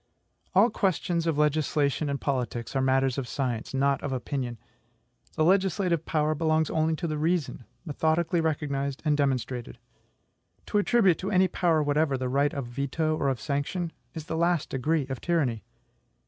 All questions of legislation and politics are matters of science, not of opinion. The legislative power belongs only to the reason, methodically recognized and demonstrated. To attribute to any power whatever the right of veto or of sanction, is the last degree of tyranny.